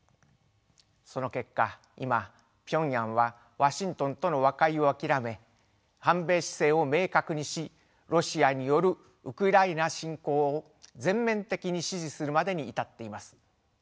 その結果今ピョンヤンはワシントンとの和解を諦め反米姿勢を明確にしロシアによるウクライナ侵攻を全面的に支持するまでに至っています。